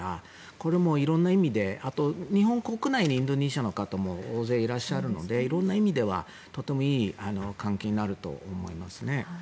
これも色んな意味であと日本国内にインドネシアの方も大勢いらっしゃるので色んな意味でとてもいい関係になると思いますね。